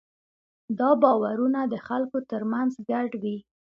دا باورونه د خلکو ترمنځ ګډ وي.